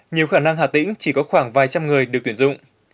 nhiều khả năng hà tĩnh chỉ có khoảng vài trăm người được tuyển dụng